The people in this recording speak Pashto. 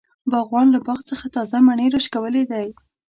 باغوان له باغ څخه تازه مڼی راشکولی دی.